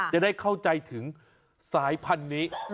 จะได้เข้าใจถึงสายพันธุ์นี้